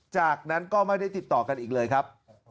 จากนั้นก็ไม่ได้ติดต่อกันอีกเลยครับ